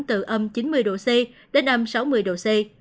từ âm chín mươi độ c đến âm sáu mươi độ c